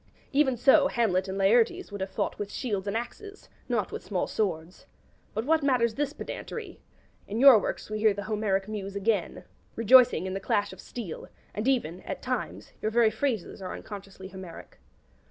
Even so Hamlet and Laertes would have fought with shields and axes, not with small swords. But what matters this pedantry? In your works we hear the Homeric Muse again, rejoicing in the clash of steel; and even, at times, your very phrases are unconsciously Homeric.